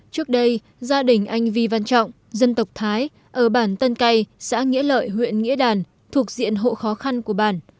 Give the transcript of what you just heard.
trước đây gia đình anh vi văn trọng dân tộc thái ở bản tân cây xã nghĩa lợi huyện nghĩa đàn thuộc diện hộ khó khăn của bản